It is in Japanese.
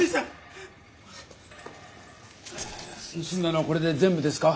ぬすんだのはこれで全部ですか？